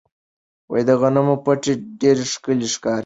د غنمو پټي ډېر ښکلي ښکاري.